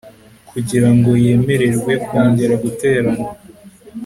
kugira ngo yemererwe kongera guterana